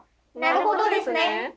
「なるほどですね」。